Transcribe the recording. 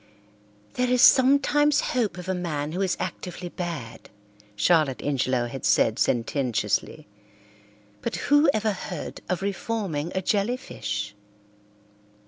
"There is sometimes hope of a man who is actively bad," Charlotte Ingelow had said sententiously, "but who ever heard of reforming a jellyfish?"